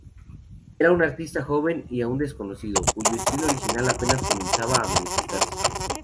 Era un artista joven y aún desconocido, cuyo estilo original apenas comenzaba a manifestarse.